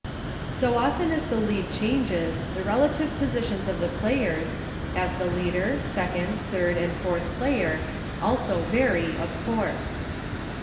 So often as the lead changes the relative po 122 EUCHRE. sitions of the players — as the leader, second, third, and fourth player — also vary, of course.